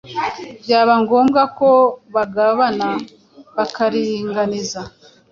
byaba ngombwa ko bagabana bakaringaniza.